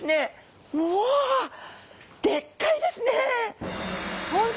うわでっかいですね！